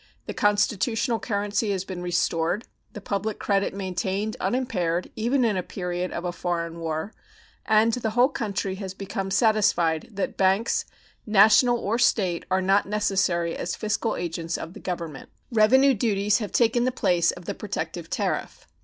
The constitutional currency has been restored, the public credit maintained unimpaired even in a period of a foreign war, and the whole country has become satisfied that banks, national or State, are not necessary as fiscal agents of the Government. Revenue duties have taken the place of the protective tariff.